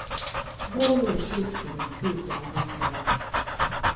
Gọọmenti etiti na steeti Anambra